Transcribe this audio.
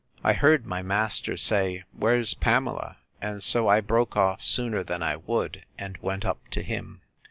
I heard my master say, Where's Pamela? And so I broke off sooner than I would, and went up to him.